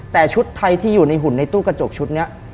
แต่ชุดไทยที่อยู่ในหุ่นในตู้กระจกชุดนี้